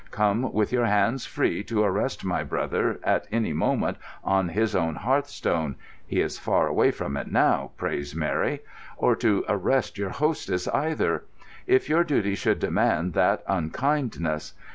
Come with your hands free to arrest my brother at any moment on his own hearthstone (he is far away from it now, praise Mary!), or to arrest your hostess either, if your duty should demand that unkindness.